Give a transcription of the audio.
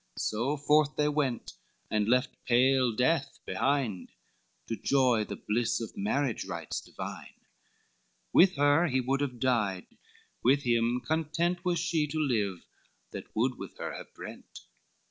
So forth they went and left pale death behind, To joy the bliss of marriage rites divine, With her he would have died, with him content Was she to live that would with her have brent.